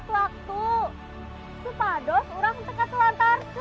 sepados orang tegak telantar kan